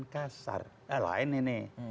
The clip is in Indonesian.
kasar lain ini